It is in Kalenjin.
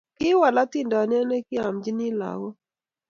Kiwal hatindiyot negiamchini lagook